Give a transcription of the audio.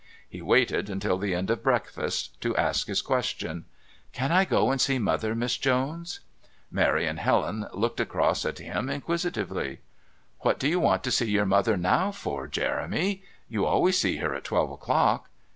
He waited until the end of breakfast to ask his question: "Can I go and see Mother, Miss Jones?" Mary and Helen looked across at him inquisitively. "What do you want to see your mother for now, Jeremy? You always see her at twelve o'clock."